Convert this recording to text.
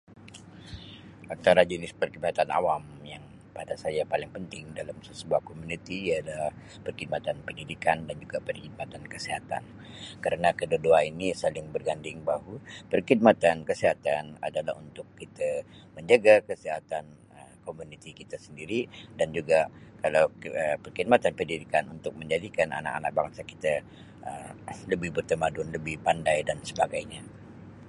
Antara jenis perkhidmatan awam yang pada saya paling penting dalam sesebuah komuniti ialah perkhidmatan pendidikan dan juga perkhidmatan kesihatan kerna kedua-dua ini saling berganding bahu perkhidmatan kesihatan adalah untuk kite menjaga kesihatan Um komuniti kita sendiri dan juga kalau Um perkhidmatan pendidikan untuk menjadikan anak-anak bangsa kite Um lebih bertamadun, lebih pandai dan sebagainya.